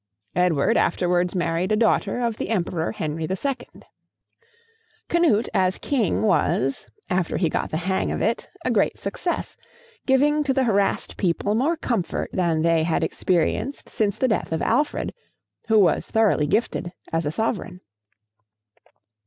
Edward afterwards married a daughter of the Emperor Henry II. Canute as king was, after he got the hang of it, a great success, giving to the harassed people more comfort than they had experienced since the death of Alfred, who was thoroughly gifted as a sovereign.